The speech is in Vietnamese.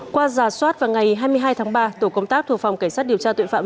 qua giả soát vào ngày hai mươi hai tháng ba tổ công tác thuộc phòng cảnh sát điều tra tội phạm